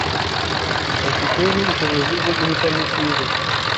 afite n’ubushobozi bwo guhitamo icyiza